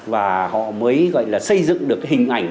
và họ mới gọi là xây dựng được cái hình ảnh